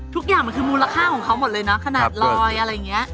ทุกอย่างมันคือมูลค่าของเขาหมดเลยเนอะขนาดลอยอะไรอย่างนี้